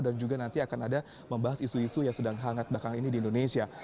dan juga nanti akan ada membahas isu isu yang sedang hangat bahkan ini di indonesia